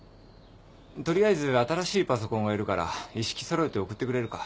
取りあえず新しいパソコンがいるから一式揃えて送ってくれるか？